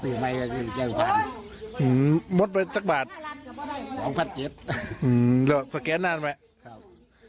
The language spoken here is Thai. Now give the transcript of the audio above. สื่อใหม่มุดไปสักบาท๒๗๐๐อแล้วสแกนนานไหม